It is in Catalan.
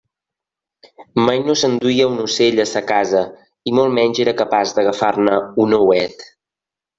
Mai no s'enduia un ocell a sa casa i molt menys era capaç d'agafar-ne un ouet.